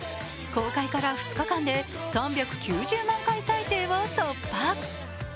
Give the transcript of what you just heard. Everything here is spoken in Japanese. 公開から２日間で３９０万回再生を突破。